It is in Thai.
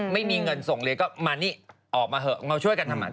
ไม่มีเงินส่งเรียนก็มานี่ออกมาเถอะมาช่วยกันทำ